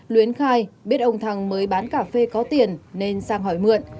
luyến khai biết ông thăng mới bán cà phê có tiền nên sang hỏi mượn